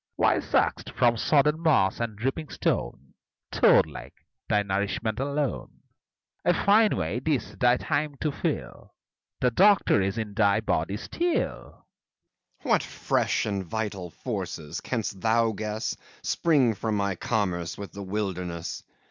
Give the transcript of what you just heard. Why suck'st, from sodden moss and dripping stone, Toad like, thy nourishment alone? A fine way, this, thy time to fill! The Doctor's in thy body still. FAUST What fresh and vital forces, canst thou guess, Spring from my commerce with the wilderness?